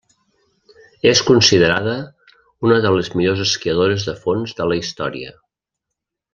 És considerada una de les millors esquiadores de fons de la història.